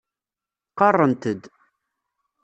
Qarrent-d.